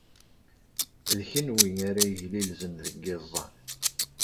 D kenwi ara yeglilzen deg yiẓẓan.